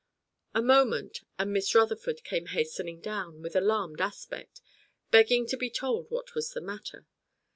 A moment, and Miss Rutherford came hastening down, with alarmed aspect, begging to be told what was the matter.